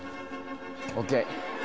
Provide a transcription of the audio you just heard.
ＯＫ。